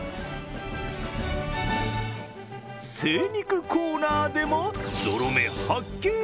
精肉コーナーでもゾロ目発見。